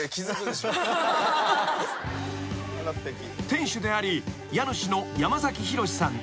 ［店主であり家主の山寛さん